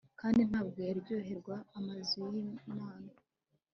Kandi ntabwo yaryoherwa amazu yimana